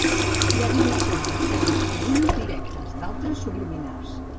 Hi ha diverses versions, algunes directes, d’altres subliminars.